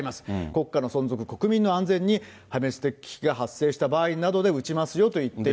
国家の存続、国民の安全に破滅的危機が発生した場合などで撃ちますよといって。